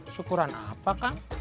syukuran apa kang